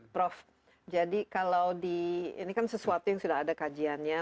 prof jadi kalau di ini kan sesuatu yang sudah ada kajiannya